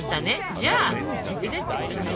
じゃあ取り出してください。